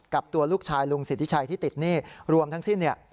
กับตัวลูกชายลุงสิทธิชัยที่ติดหนี้รวมทั้งสิ้นเนี่ย